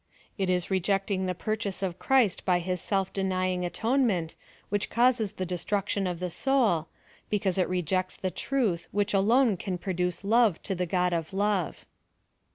It is rejecting the purchase of Christ by his self denying atonement, which causes the destruction of the soul, because it rejects the truth which alone can produce love to the God of love.